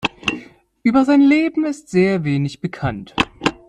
Über sein Leben ist sehr wenig bekannt.